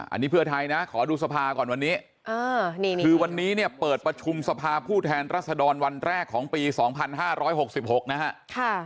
อันนี้เพื่อไทยนะขอดูสภาก่อนวันนี้คือวันนี้เนี่ยเปิดประชุมสภาผู้แทนรัศดรวันแรกของปี๒๕๖๖นะฮะ